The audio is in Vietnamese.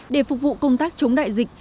để phục vụ công tác chống đại dịch